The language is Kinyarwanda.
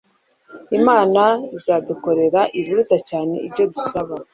Imana izadukorera “ibiruta cyane ibyo dusaba,”